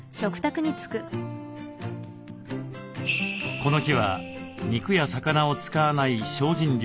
この日は肉や魚を使わない精進料理。